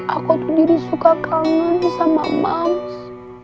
aku tuh diri suka kangen sama mams